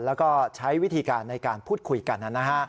แล้วก็ใช้วิธีการในการพูดคุยกันนะฮะ